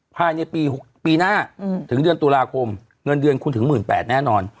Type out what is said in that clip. ภายในปีหน้าถึงเดือนตุลาคมเงินเดือนคุณถึง๑๘๐๐แน่นอน